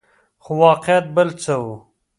خو واقعیت بل څه وو.